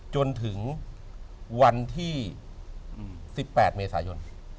จนถึงวันที่๑๘เมษายน